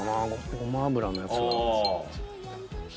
ごま油のやつが。